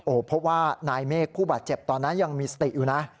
เพราะว่านายเมฆผู้บาดเจ็บตอนนั้นยังมีสติอยู่นะ